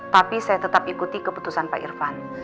tapi saya tetap ikuti keputusan pak irfan